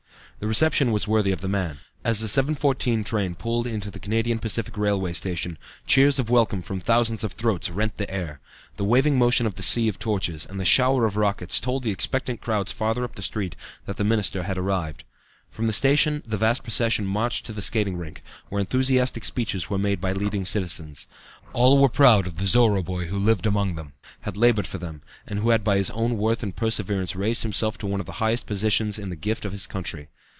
The reception was worthy of the man. As the 7.14 train pulled into the Canadian Pacific railway station, cheers of welcome from thousands of throats rent the air. The waving motion of the sea of torches, and the shower of rockets, told the expectant crowds farther up the street that the Minister had arrived. From the station the vast procession marched to the skating rink, where enthusiastic speeches were made by leading citizens. All were proud of "the Zorra boy" who had lived among them, had labored for them, and who had by his own worth and perseverance raised himself to one of the highest positions in the gift of his country.